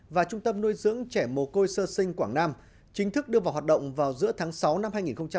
và trung tâm nuôi dưỡng trẻ mồ côi sơ sinh quảng nam chính thức đưa vào hoạt động vào giữa tháng sáu năm hai nghìn hai mươi